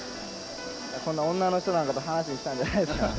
こんな女の人なんかと話したんじゃないですからね。